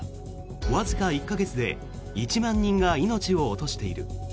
わずか１か月で１万人が命を落としている。